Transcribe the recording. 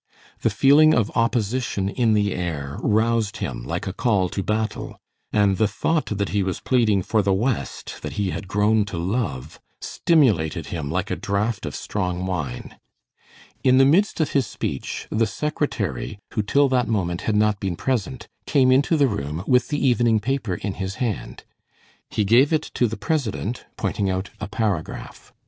The feeling of opposition in the air roused him like a call to battle, and the thought that he was pleading for the West that he had grown to love, stimulated him like a draught of strong wine. In the midst of his speech the secretary, who till that moment had not been present, came into the room with the evening paper in his hand. He gave it to the president, pointing out a paragraph.